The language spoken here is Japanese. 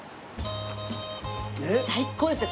最高ですね！